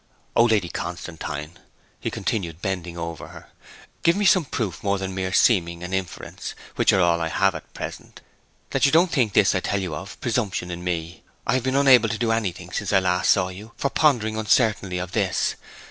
'O, Lady Constantine,' he continued, bending over her, 'give me some proof more than mere seeming and inference, which are all I have at present, that you don't think this I tell you of presumption in me! I have been unable to do anything since I last saw you for pondering uncertainly on this.